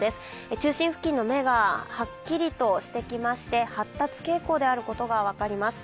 中心付近の目がはっきりとしてきまして、発達傾向であることが分かります。